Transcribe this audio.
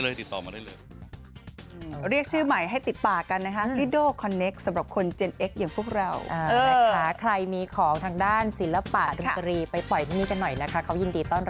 เขามาได้เลยติดต่อมาได้เลย